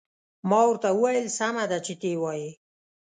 ما ورته وویل: سمه ده، چې ته يې وایې.